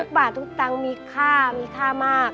เป็นทุกบาททุกตั้งมีค่ามีค่ามาก